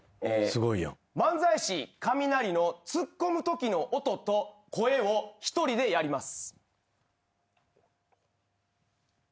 漫才師カミナリのツッコむときの音と声を一人でやります。